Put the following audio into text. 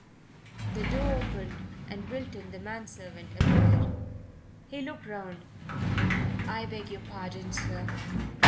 The door opened and Wilton, the man servant, appeared. He looked round. "I beg your pardon, sir."